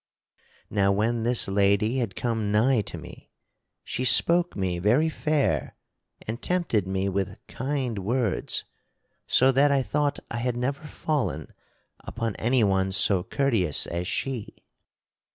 Now when this lady had come nigh to me she spoke me very fair and tempted me with kind words so that I thought I had never fallen upon anyone so courteous as she.